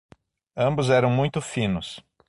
Ambos eram muito finos.